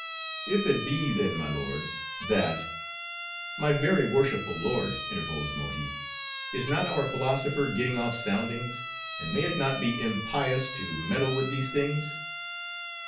"If it be, then, my lord, that—" "My very worshipful lord," interposed Mohi, "is not our philosopher getting off soundings; and may it not be impious to meddle with these things?"